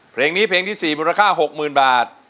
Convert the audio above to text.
เพลงนี้เพลงที่๔มูลค่า๖๐๐๐บาท